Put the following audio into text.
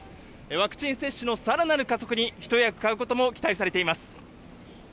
ワクチン接種のさらなる加速にひと役買うことも期待されています。